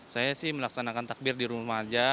saya sih melaksanakan takbir di rumah aja